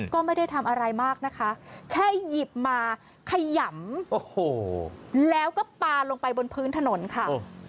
ก็ไม่ได้ทำอะไรมากนะคะแค่หยิบมาขยำโอ้โหแล้วก็ปลาลงไปบนพื้นถนนค่ะ